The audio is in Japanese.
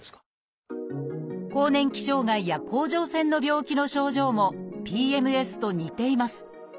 更年期障害や甲状腺の病気の症状もＰＭＳと似ています。